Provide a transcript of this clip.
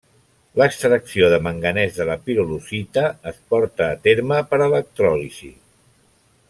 L'extracció de manganès de la pirolusita es porta a terme per electròlisi.